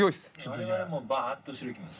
我々もバーッと後ろ行きます。